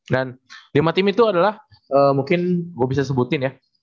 dan lima tim itu adalah mungkin gue bisa sebutin ya